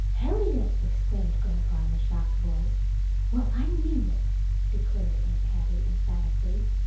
"Harriet!" exclaimed Grandpa in a shocked voice. "Well, I mean it!" declared Aunt Hattie emphatically.